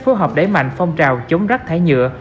phối hợp đẩy mạnh phong trào chống rác thải nhựa